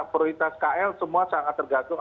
prioritas kl semua sangat tergantung